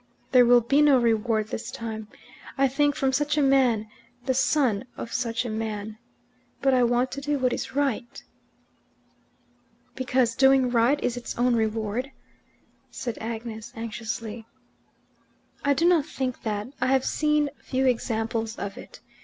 There will be no reward this time. I think, from such a man the son of such a man. But I want to do what is right." "Because doing right is its own reward," said Agnes anxiously. "I do not think that. I have seen few examples of it.